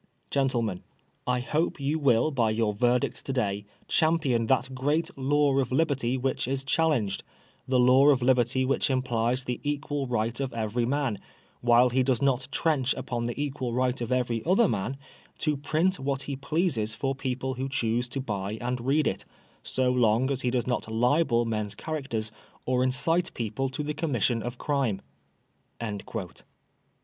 Gentlemen, I hope you will by your verdict to dav champion that great law of liberty which is challenged — the law of liberty which implies the equal right of every man, while he does not trench upon the equal right of every other man, to print what he pleases for people who choose to buy and read it, so long as he does not libel men*8 characters or incite people to the commission of crime."